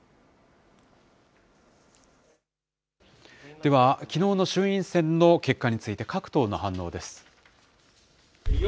ではきのうの衆院選の結果について、各党の反応です。